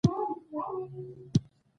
موږ باید پر خپلو وړتیاوو کار وکړو